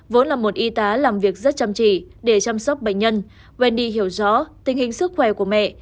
vốn là một y tá làm việc rất chăm chỉ để chăm sóc bệnh nhân vandi hiểu rõ tình hình sức khỏe của mẹ